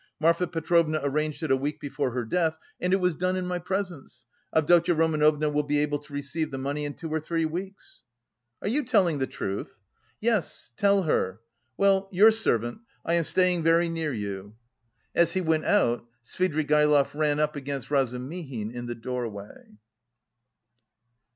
Marfa Petrovna arranged it a week before her death, and it was done in my presence. Avdotya Romanovna will be able to receive the money in two or three weeks." "Are you telling the truth?" "Yes, tell her. Well, your servant. I am staying very near you." As he went out, Svidrigaïlov ran up against Razumihin in the doorway.